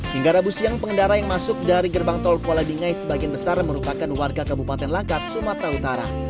hingga rabu siang pengendara yang masuk dari gerbang tol kualadingai sebagian besar merupakan warga kabupaten langkat sumatera utara